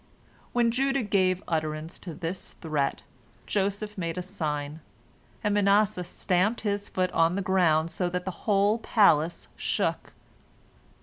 When Judah gave utterance to this threat, Joseph made a sign, and Manasseh stamped his foot on the ground so that the whole palace shook.